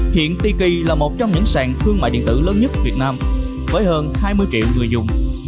hiện tiki là một trong những sàn thương mại điện tử lớn nhất việt nam với hơn hai mươi triệu người dùng